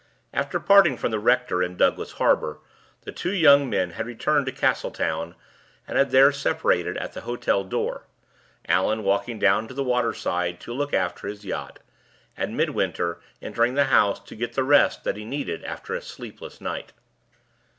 After parting from the rector in Douglas Harbor, the two young men had returned to Castletown, and had there separated at the hotel door, Allan walking down to the waterside to look after his yacht, and Midwinter entering the house to get the rest that he needed after a sleepless night.